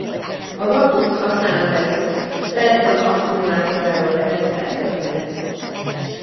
A vakut használat előtt a telefon akkumulátoráról lehet feltölteni.